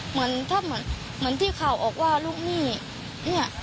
เหมือนที่ข่าวออกว่าลูกนี่